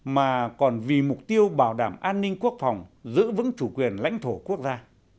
mà còn vì mục tiêu bảo đảm an ninh quốc phòng giữ vững chủ quyền lãnh thổ quốc gia